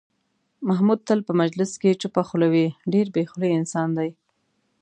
محمود تل په مجلس کې چوپه خوله وي، ډېر بې خولې انسان دی.